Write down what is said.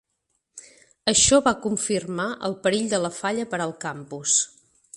Això va confirmar el perill de la falla per al campus.